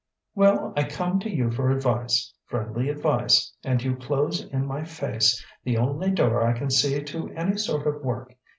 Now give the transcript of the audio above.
"Well, I come to you for advice friendly advice and you close in my very face the only door I can see to any sort of work.